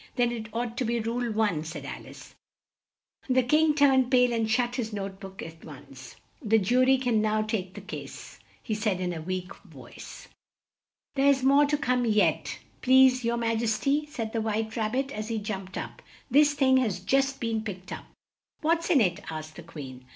"Then it ought to be Rule One," said Al ice. The King turned pale and shut his note book at once. "The ju ry can now take the case," he said in a weak voice. "There's more to come yet, please your ma jes ty," said the White Rab bit, as he jumped up; "this thing has just been picked up." "What's in it?" asked the Queen.